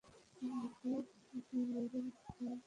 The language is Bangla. সম্ভবত ফিমারে আটকে গেছে।